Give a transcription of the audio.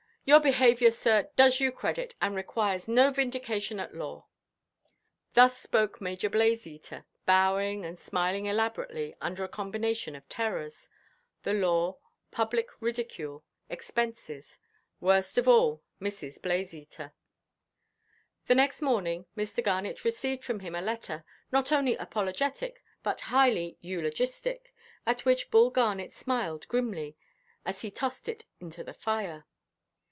Your behaviour, sir, does you credit, and requires no vindication at law." Thus spoke Major Blazeater, bowing and smiling elaborately under a combination of terrors—the law, public ridicule, expenses; worst of all, Mrs. Blazeater. The next morning, Mr. Garnet received from him a letter, not only apologetic, but highly eulogistic, at which Bull Garnet smiled grimly, as he tossed it into the fire.